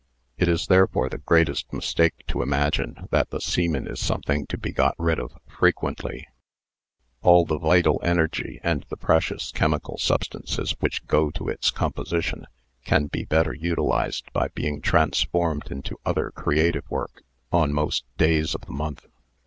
It is therefore the greatest mistake to imagine that the semen is something to be got rid of frequently —* Sec Pflilgers Archiv., 189 1. 4^ Married Love all the vital energy and the precious chemical sub stances which go to its composition can be better utilised by being transformed into other creative work on most days of the month.